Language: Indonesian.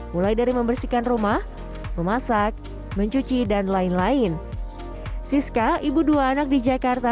mulai dari membersihkan rumah memasak mencuci dan lain lain siska ibu dua anak di jakarta